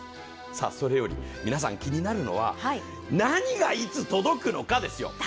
それより皆さん気になるのは、何がいつ届くのかですよ。